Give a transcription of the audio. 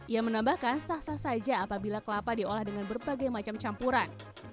ia menambahkan sah sah saja apabila kelapa diolah dengan berbagai macam campuran